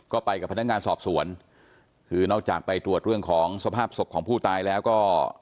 ก็ไปกับพนักงานสอบสวนคือนอกจากไปตรวจเรื่องของสภาพศพของผู้ตายแล้วก็